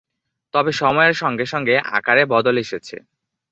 তবে সময়ের সঙ্গে সঙ্গে আকারে বদল এসেছে।